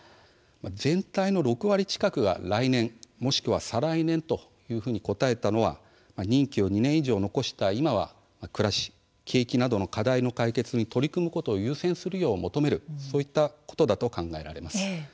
全体の６割近くが来年もしくは再来年と答えたのは任期を２年以上残した今は暮らしや景気など課題の解決に取り組むことを優先するよう求めるそういったことだと考えられます。